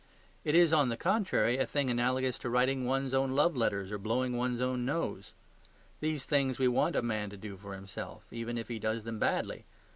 It is, on the contrary, a thing analogous to writing one's own love letters or blowing one's own nose. These things we want a man to do for himself, even if he does them badly.